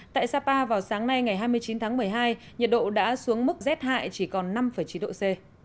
tại sapa vào sáng nay ngày hai mươi chín tháng một mươi hai nhiệt độ đã xuống mức rét hại chỉ còn năm chín độ c